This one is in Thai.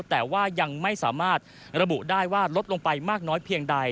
แต่ว่ายังไม่สามารถระบุได้ว่าลดลงไปมากน้อยเพียงใด